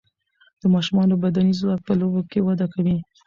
د ماشومان بدني ځواک په لوبو کې وده کوي.